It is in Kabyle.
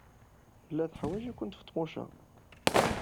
Tella teḥwaj-ikent Feḍmuca.